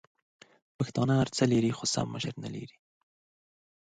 پښتانه هرڅه لري خو سم مشر نلري!